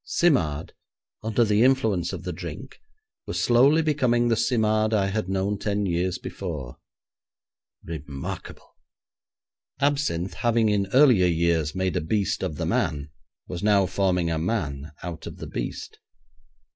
Simard, under the influence of the drink, was slowly becoming the Simard I had known ten years before. Remarkable! Absinthe having in earlier years made a beast of the man was now forming a man out of the beast.